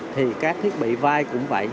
thì các thiết bị vai cũng vậy